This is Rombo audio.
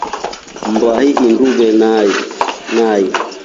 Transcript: Mmbahii indungue nai.